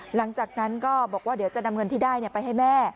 หลังจากนั้นก็บอกว่าเดี๋ยวจะนำเงินที่ได้ไปให้แม่